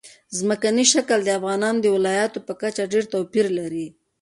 ځمکنی شکل د افغانستان د ولایاتو په کچه ډېر توپیر لري.